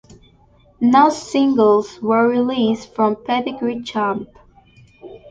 No singles were released from "Pedigree Chump".